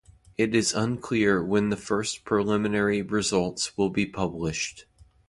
It is unclear when the first preliminary results will be published.